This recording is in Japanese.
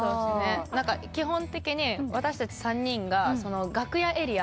基本的に私たち３人が楽屋エリア。